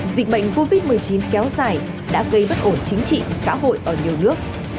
dịch bệnh covid một mươi chín kéo dài đã gây bất ổn chính trị xã hội ở nhiều nước